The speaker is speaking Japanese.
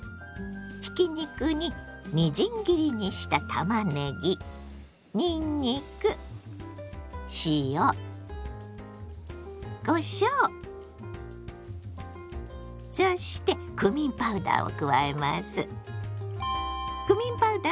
ひき肉にみじん切りにしたたまねぎにんにく塩こしょうそしてクミンパウダーを加えます。